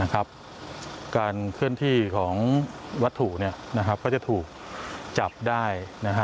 การเคลื่อนที่ของวัตถุก็จะถูกจับได้